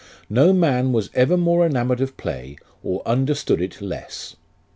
No man was ever more enamoured of play, or understood it less.